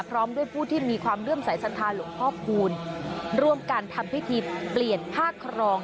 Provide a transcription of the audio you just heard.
พร้อมด้วยผู้ที่มีความเรื่องสายศรัทธาหลวงพ่อคูณร่วมกันทำพิธีเปลี่ยนผ้าครอง